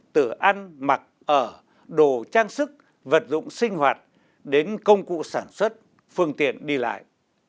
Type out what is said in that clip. từ ăn mặc ở đồ trang sức vật dụng sinh hoạt đến công cụ sản xuất phương tiện đi lại